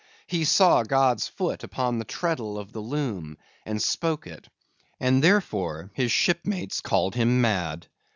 He saw God's foot upon the treadle of the loom, and spoke it; and therefore his shipmates called him mad.